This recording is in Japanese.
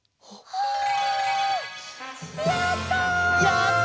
やった！